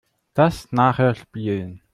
Das nachher spielen.